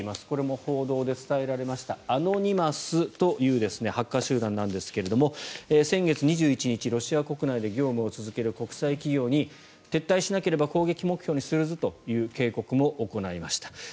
これも報道で伝えられましたアノニマスというハッカー集団なんですが先月２１日、ロシア国内で業務を続ける国際企業に撤退しなければ攻撃目標にするぞという警告も行いました。